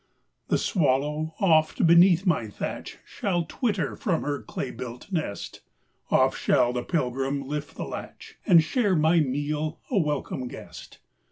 The swallow, oft, beneath my thatch, Shall twitter from her clay built nest; Oft shall the pilgrim lift the latch, And share my meal, a welcome guest.